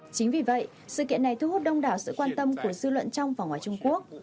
chính vì vậy sự kiện này thu hút đông đảo sự quan tâm của dư luận trong và ngoài trung quốc